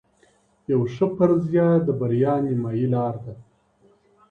یوه ښه فرضیه د بریا نیمايي لار ده.